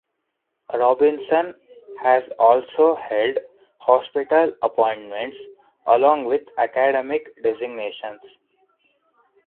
Robinson has also held hospital appointments along with academic designations.